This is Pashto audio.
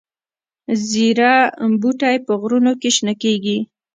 زیره بوټی په غرونو کې شنه کیږي؟